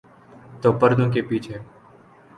تو پردوں کے پیچھے۔